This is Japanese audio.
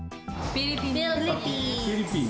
フィリピン。